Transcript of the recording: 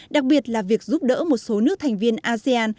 đặc biệt là việc giúp đỡ một số nước thành viên asean